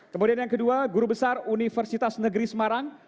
kemudian yang kedua guru besar universitas negeri semarang